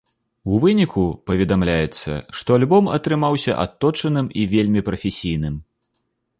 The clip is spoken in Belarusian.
У выніку, паведамляецца, што альбом атрымаўся адточаным і вельмі прафесійным.